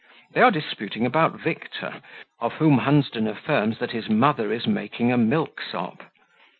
They are disputing about Victor, of whom Hunsden affirms that his mother is making a milksop.